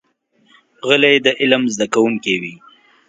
غلی، د علم زده کوونکی وي.